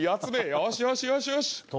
よしよしよしよし。